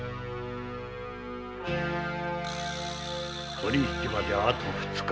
取り引きまであと二日。